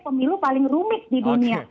pemilu paling rumit di dunia